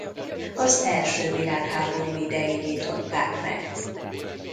Az első világháború idején nyitották meg.